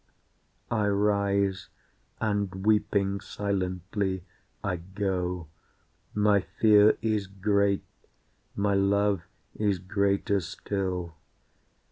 I rise, and weeping silently, I go. My fear is great, my love is greater still.